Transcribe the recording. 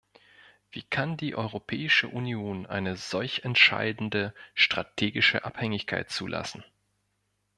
Wie kann die Europäische Union eine solch entscheidende strategische Abhängigkeit zulassen?